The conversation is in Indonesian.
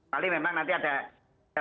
paling memang nanti ada